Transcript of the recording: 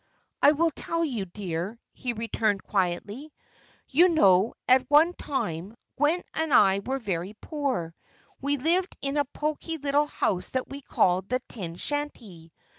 "I will tell you, dear," he returned, quietly. "You know, at one time, Gwen and I were very poor. We lived in a pokey little house that we called 'The Tin Shanty.'